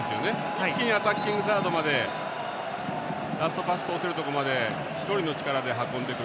一気にアタッキングサードまでラストパス通せるところまで１人の力で運んでくる。